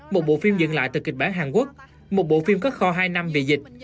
một bộ phim dựng lại từ kịch bản hàn quốc một bộ phim có kho hai năm vì dịch